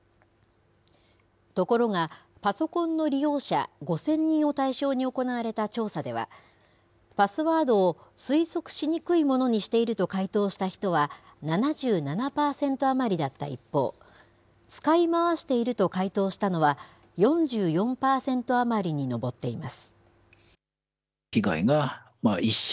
ところが、パソコンの利用者５０００人を対象に行われた調査では、パスワードを推測しにくいものにしていると回答した人は７７％余りだった一方、使い回していると回答したのは、４４％余りに上っています。